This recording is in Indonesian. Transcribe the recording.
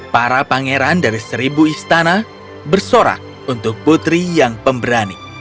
para pangeran dari seribu istana bersorak untuk putri yang pemberani